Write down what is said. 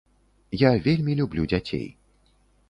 Я вельмі люблю дзяцей.